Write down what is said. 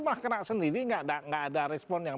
malah kena sendiri nggak ada respon yang